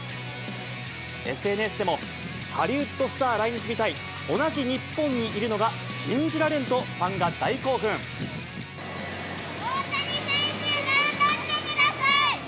ＳＮＳでも、ハリウッドスター来日みたい、同じ日本にいるのが信じられんと、大谷選手、頑張ってください！